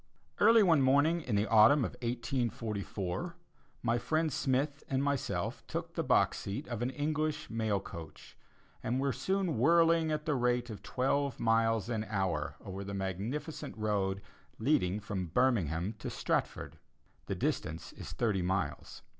Early one morning in the autumn of 1844, my friend Smith and myself took the box seat of an English mail coach, and were soon whirling at the rate of twelve miles an hour over the magnificent road leading from Birmingham to Stratford. The distance is thirty miles.